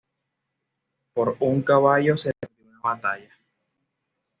Por un caballo, se perdió una batalla